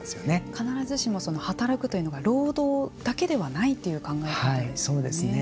必ずしも、働くというのが労働だけではないというそうですね。